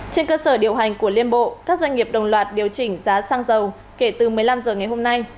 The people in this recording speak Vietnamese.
trên cơ sở điều hành của liên bộ các doanh nghiệp đồng loạt điều chỉnh giá xăng dầu kể từ một mươi năm h ngày hôm nay